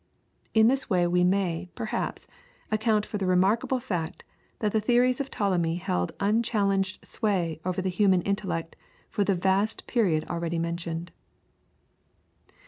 In this way we may, perhaps, account for the remarkable fact that the theories of Ptolemy held unchallenged sway over the human intellect for the vast period already mentioned.